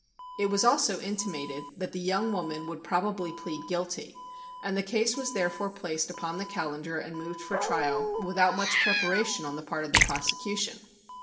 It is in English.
It was also intimated that the young woman would probably plead guilty, and the case was therefore placed upon the calendar and moved for trial without much preparation on the part of the prosecution.